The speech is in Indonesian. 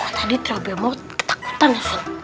kok tadi terlalu bemo ketakutan ya susu